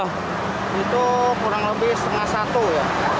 itu kurang lebih setengah satu ya